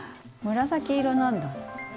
紫色なんだ。